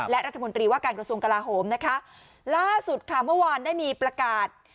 และรัฐมนตรีว่าการกระทรวงกลาโหมนะคะล่าสุดค่ะเมื่อวานได้มีประกาศ